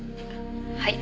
はい。